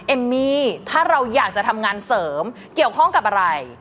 เอมมี่ถ้าเราอยากจะทำงานเสริมเกี่ยวข้องกับอะไร